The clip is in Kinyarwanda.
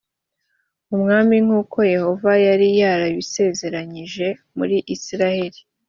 umwami nk’uko yehova yari yarabisezeranyije muri isirayeli